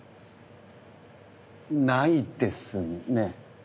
ないですね。